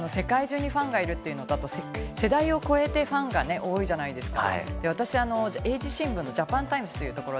でも世界中にファンがいるというのと、世代を超えてファンが多いじゃないですか。